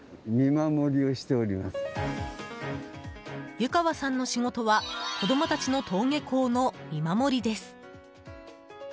湯川さんの仕事は子どもたちの登下校の見守りです。